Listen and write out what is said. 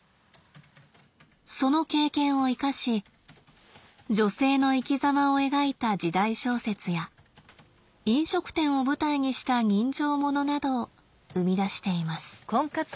その経験を生かし女性の生きざまを描いた時代小説や飲食店を舞台にした人情物などを生み出しています。